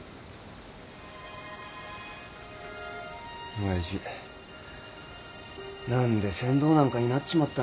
おやじ何で船頭なんかになっちまったんやろ。